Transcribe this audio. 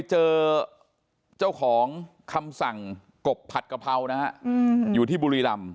เจอเจ้าของคำสั่งกบผัดกะเพรานะฮะอยู่ที่บุรีรำ